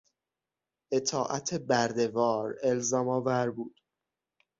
اطاعت بردهوار الزامآور بود.